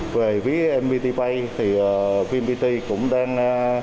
về vmpt pay thì vmpt cũng đang